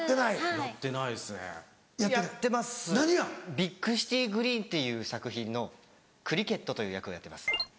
『ビッグシティ・グリーン』っていう作品のクリケットという役をやってます。